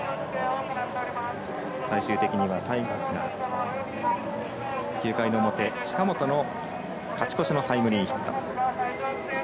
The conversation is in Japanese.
最終的にはタイガースが９回の表、近本の勝ち越しのタイムリーヒット。